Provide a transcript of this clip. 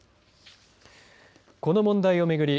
この問題を巡り